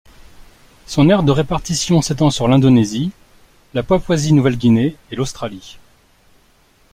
Son aire de répartition s'étend sur l’Indonésie, la Papouasie-Nouvelle-Guinée et l'Australie.